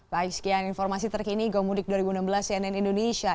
baik sekian informasi terkini gomudik dua ribu enam belas cnn indonesia